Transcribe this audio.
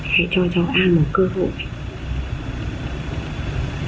hãy cho cháu an một cơ hội